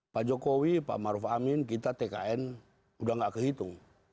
pak jokowi pak maruf amin kita tkn udah gak kehitung